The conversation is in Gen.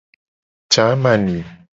Jamani.